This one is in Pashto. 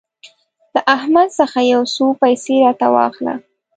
له احمد څخه يو څو پيسې راته واخله.